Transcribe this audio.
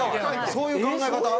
そういう考え方？